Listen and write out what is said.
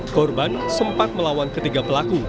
korban sempat melawan ketiga pelaku